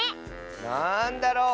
なんだろう？